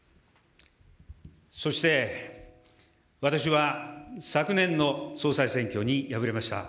そして私は、昨年の総裁選挙に敗れました。